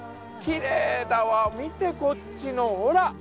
きれいだわ見てこっちのほら！